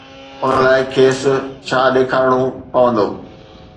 ان لاءِ کيس ڇا ڏيکارڻو پوندو؟